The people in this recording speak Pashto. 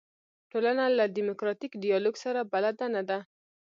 ټولنه له دیموکراتیک ډیالوګ سره بلده نه ده.